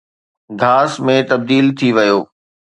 گھاس ۾ تبديل ٿي ويو.